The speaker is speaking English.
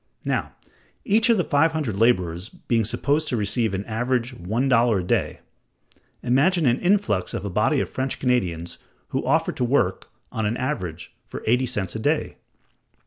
Now, each of the five hundred laborers being supposed to receive on an average $1.00 a day, imagine an influx of a body of French Canadians who offer to work, on an average, for eighty cents a day.